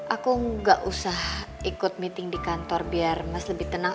aku nggak usah ikut meeting di kantor biar mas lebih tenang